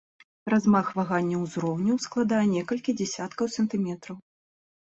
Размах ваганняў узроўню складае некалькі дзясяткаў сантыметраў.